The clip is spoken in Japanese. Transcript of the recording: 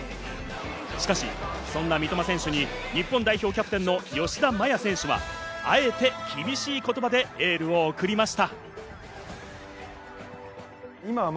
しかし、そんな三笘選手に日本代表キャプテンの吉田麻也選手はあえて厳しい言葉でエールを送りました。